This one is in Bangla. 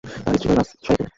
তার স্ত্রীর বাড়ি রাজশাহীতে।